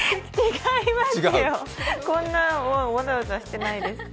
違いますよ、こんなわちゃわちゃしてないです。